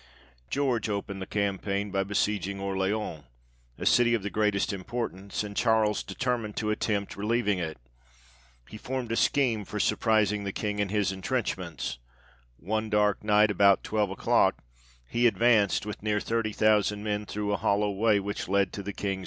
George opened the campaign by besieging Orleans, a city of the greatest importance ; and Charles determined to attempt relieving it. He formed a scheme for surprising the King in his entrenchments ; one dark night, about twelve o'clock, he advanced with near thirty thousand men, through a hollow way which led to 52 THE REIGN OF GEORGE VI.